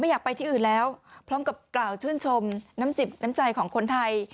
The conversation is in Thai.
อยากไปที่อื่นแล้วพร้อมกับกล่าวชื่นชมน้ำจิบน้ำใจของคนไทย